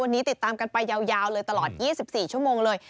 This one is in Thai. วันนี้ติดตามกันไปยาวเลยตลอด๒๔ชั่วโมงเลย